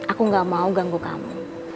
aku gak mau ganggu kamu